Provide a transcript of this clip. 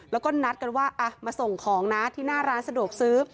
แล้วก็นัดกันว่ามาส่งของนะที่หน้าร้านสะดวกซื้อ